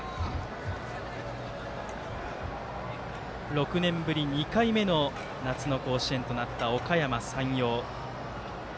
６年ぶり２回目の夏の甲子園となったおかやま山陽。